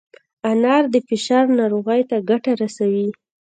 انار د فشار ناروغۍ ته ګټه رسوي.